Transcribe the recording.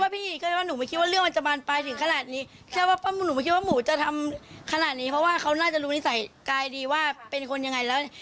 เพราะว่าเขาน่าจะรู้นิสัยกายดีว่าเป็นคนยังไงแล้ว